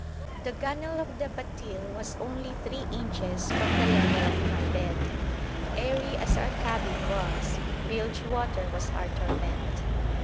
The gunwale of the batil was only three inches from the level of my bed. Airy as our 'cabin' was, bilge water was our torment.